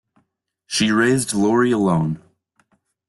She raised Laurie alone.